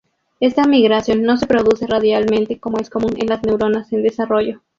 Esta migración no se produce radialmente como es común en las neuronas en desarrollo.